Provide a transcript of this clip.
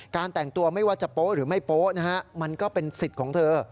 แต่งตัวไม่ว่าจะโป๊ะหรือไม่โป๊ะนะฮะมันก็เป็นสิทธิ์ของเธอ